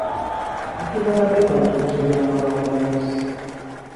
A quina hora arriba l'autobús de Vilanova del Vallès?